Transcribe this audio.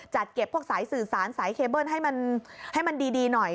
เก็บพวกสายสื่อสารสายเคเบิ้ลให้มันดีหน่อย